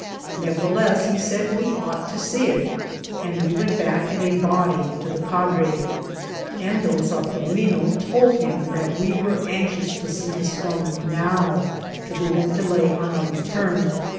Nevertheless, he said we ought to see it ; and we went back in a body to the padre, and Don Saturnino told him that we were anxious to see the stone now, to prevent delay on our return.